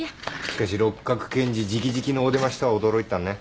しかし六角検事直々のお出ましとは驚いたね。